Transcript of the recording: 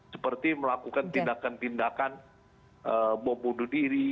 seperti melakukan tindakan tindakan membunuh diri